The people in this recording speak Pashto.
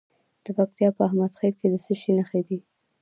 د پکتیا په احمد خیل کې د څه شي نښې دي؟